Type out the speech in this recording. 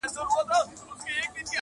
چي څه ګټم هغه د وچي ډوډۍ نه بسیږي -